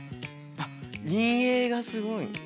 あっ陰影がすごい。